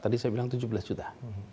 tadi saya bilang tujuh belas juta